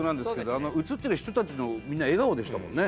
あの映ってる人たちのみんな笑顔でしたもんね。